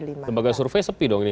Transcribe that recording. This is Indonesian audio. lembaga survei sepi dong ini